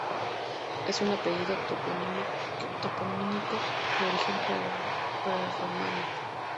Es un apellido toponímico de origen prerromano.